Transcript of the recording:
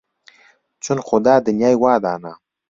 چون خودا دنیای وا دانا